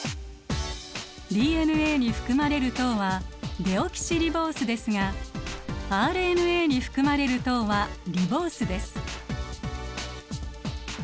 ＤＮＡに含まれる糖はデオキシリボースですがＲＮＡに含まれる糖はリボースです。